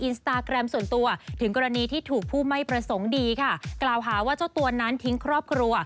อย่างกรณีที่ถูกผู้ไม่ประสงค์ดีค่ะกล่าวหาว่าเจ้าตัวนั้นทิ้งครอบครัว